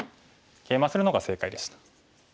ケイマするのが正解でした。